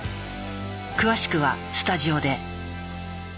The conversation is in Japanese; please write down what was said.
詳しくはスタジオで。